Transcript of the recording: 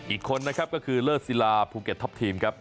อีกคนนะครับก็คือเลิศศิลาภูเก็ตท็อปทีมครับ